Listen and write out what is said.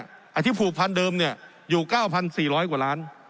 อาทิตย์ผูกพันเดิมเนี้ยอยู่เก้าพันสี่ร้อยกว่าร้าน